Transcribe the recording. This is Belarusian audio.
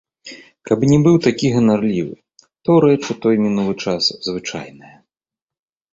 Каб не быў такі ганарлівы, то рэч у той мінулы час звычайная.